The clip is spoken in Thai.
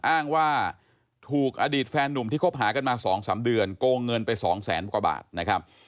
อ้างว่าถูกอดีตแฟนนุ่มที่คบหากันมา๒๓เดือนโกงเงินไปสองแสนกว่าบาทนะครับ